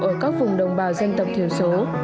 ở các vùng đồng bào danh tập thiểu số